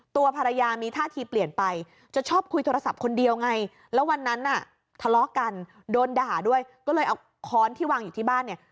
ตัวภรรยามีท่าทีเปลี่ยนไปจะชอบคุยโทรศัพท์คนเดียวไงแล้ววันนั้นน่ะทะเลาะกันโดนด่าด้วยก็เลยเอาค้อนที่วางอยู่ที่บ้านเนี่ย